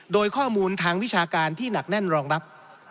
โดยข้อมูลทางวิชาการที่หนักแน่นรองรับ